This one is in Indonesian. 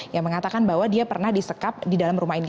yang mengatakan bahwa dia pernah disekap di dalam rumah ini